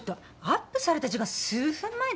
アップされた時間数分前だよ。